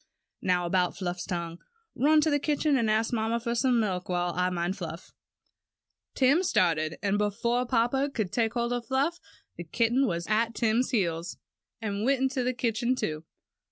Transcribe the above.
"Now about Fluff's tongue. Run to the kitchen and ask mamma for some milk, while I mind Fluff." Tim started and before papa could take hold of Fluff, the kitty was at Tim's heels. 48 TIM'S CAT. and went into the kitchen, too.